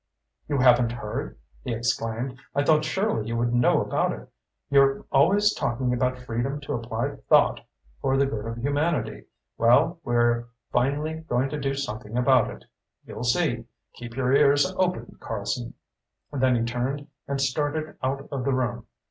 "You haven't heard!" he exclaimed. "I thought surely you would know about it. You're always talking about freedom to apply thought for the good of humanity. Well, we're finally going to do something about it. You'll see. Keep your ears open, Carlson." Then he turned and started out of the room.